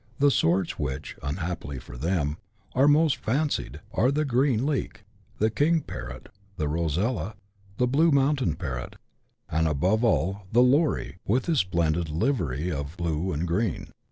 The sorts Avhich (unhappily for them) are most " fancied " are the green leek, the king parrot, the rosella, the blue mountain parrot, and, above all, the lorie, with his splendid livery of blue and green.